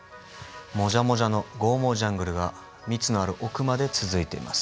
モジャモジャの剛毛ジャングルが蜜のある奥まで続いています。